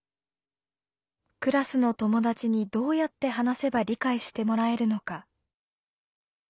クラスの友達にどうやって話せば理解してもらえるのか。